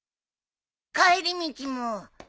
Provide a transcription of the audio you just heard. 帰り道も。